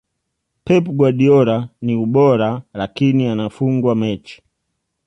pep guardiola niUbora lakini anafungwa mechi